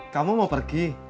kamu mau pergi